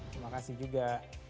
terima kasih juga